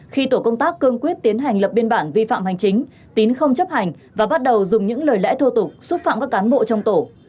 khi tổ công tác cương quyết tiến hành lập biên bản vi phạm hành chính tín không chấp hành và bắt đầu dùng những lời lẽ thô tục xúc phạm các cán bộ trong tổ